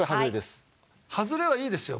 はずれはいいですよ